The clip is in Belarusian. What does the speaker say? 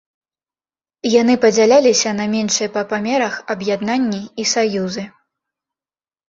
Яны падзяляліся на меншыя па памерах аб'яднанні і саюзы.